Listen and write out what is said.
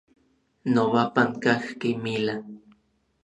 Nobapan kajki mila.